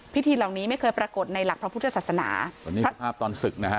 พิธีเหล่านี้ไม่เคยปรากฏในหลักพระพุทธศาสนาวันนี้คือภาพตอนศึกนะฮะ